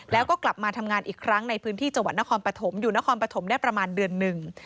แล้วก็กลับมาทำงานอีกครั้งในพื้นที่จังหวัดนครปฐมอยู่นครปฐมได้ประมาณเดือนหนึ่ง